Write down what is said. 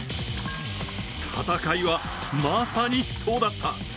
戦いは、まさに死闘だった。